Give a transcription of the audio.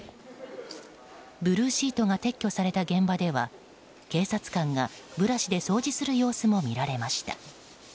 ブルーシートが撤去された現場では警察官がブラシで掃除する様子も見られました。